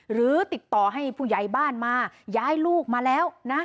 หรือติดต่อให้ผู้ใหญ่บ้านมาย้ายลูกมาแล้วนะ